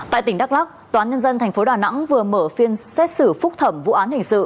tại tỉnh đắk lắc tòa án nhân dân tp đà nẵng vừa mở phiên xét xử phúc thẩm vụ án hình sự